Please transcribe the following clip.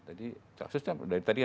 tadi yang dua ratus